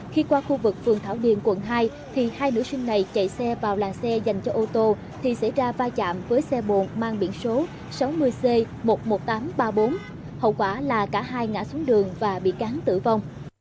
khi qua khu vực phường thảo điền quận hai thì hai nữ sinh này chạy xe vào làng xe dành cho ô tô thì xảy ra va chạm với xe bồn mang biển số sáu mươi c một mươi một nghìn tám trăm ba mươi bốn hậu quả là cả hai ngã xuống đường và bị cắn tử vong